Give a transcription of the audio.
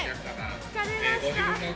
疲れました。